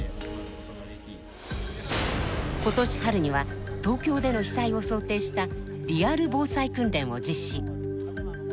今年春には東京での被災を想定したリアル防災訓練を実施。